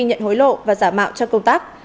nhận hối lộ và giả mạo cho công tác